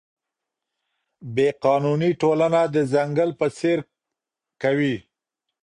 بې قانوني ټولنه د ځنګل په څېر کوي.